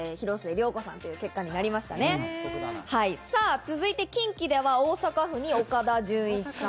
続いて近畿では、大阪府に岡田准一さん。